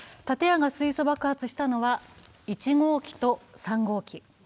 建屋が水素爆発したのは１号機と３号機。